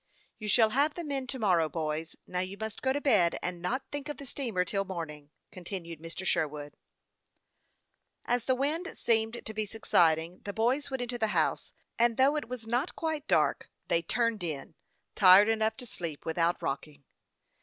" You shall have the men to morrow, boys. Now you must go to bed, and not think of the steamer till morning," continued Mr. Sherwood, as his party left the ferry landing. As the wind seemed to be subsiding, the boys went into the house ; and though it was not quite dark, they " turned in," tired enough to sleep without rock ing.